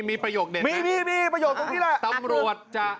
มีประโยชน์เด็ดไหมตำรวจจะ